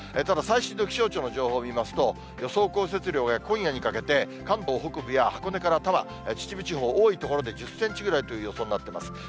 ただ最新の気象庁の予想を見ますと、予想降雪量が今夜にかけて、関東北部や箱根から多摩、秩父地方、多い所で１０センチぐらいという予想になってます。